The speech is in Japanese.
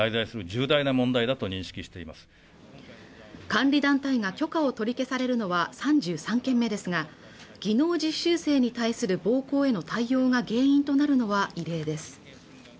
監理団体が許可を取り消されるのは３３件目ですが技能実習生に対する暴行への対応が原因となるのは異例です